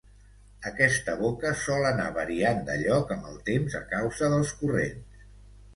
Aquesta boca sol anar variant de lloc amb el temps a causa dels corrents.